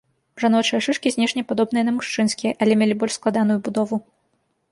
Жаночыя шышкі знешне падобныя на мужчынскія, але мелі больш складаную будову.